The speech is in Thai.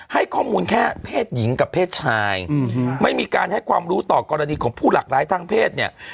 ให้ข้อมูลแค่เพศหญิงกับเพศชายไม่มีการให้ความรู้ต่อกรณีของผู้หลากหลายทางเพศเนี่ย